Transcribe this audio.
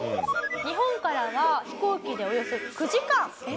日本からは飛行機でおよそ９時間。